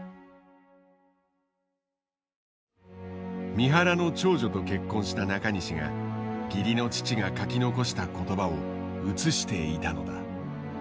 三原の長女と結婚した中西が義理の父が書き残した言葉を写していたのだ。